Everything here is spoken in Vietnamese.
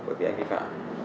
bởi vì anh vi phạm